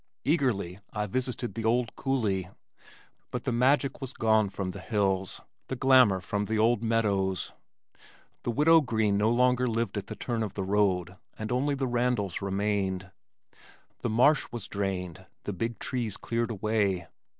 Eagerly I visited the old coulee, but the magic was gone from the hills, the glamour from the meadows. The Widow Green no longer lived at the turn of the road, and only the Randals remained. The marsh was drained, the big trees cleared away.